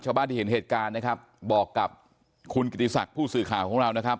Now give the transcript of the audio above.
ชาวบ้านที่เห็นเหตุการณ์นะครับบอกกับคุณกิติศักดิ์ผู้สื่อข่าวของเรานะครับ